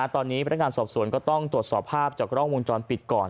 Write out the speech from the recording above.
ตอนนี้พนักงานสอบสวนก็ต้องตรวจสอบภาพจากกล้องวงจรปิดก่อน